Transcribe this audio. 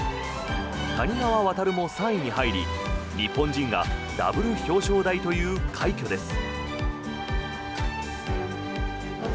谷川航も３位に入り日本人がダブル表彰台という快挙です。